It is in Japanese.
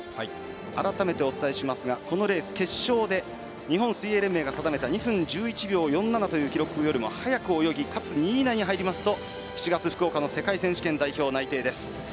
改めて、お伝えしますがこのレース、決勝で日本水泳連盟が定めた２分１４秒０７というタイムを切りかつ、２位以内に入りますと７月、福岡の世界選手権の代表内定です。